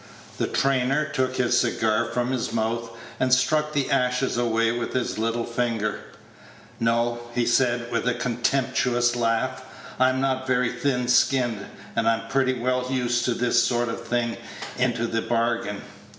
The trainer took his cigar from his mouth, and struck the ashes away with his little finger. "No," he said, with a contemptuous laugh, "I'm not very thin skinned, and I'm pretty well used to this sort of thing into the bargain.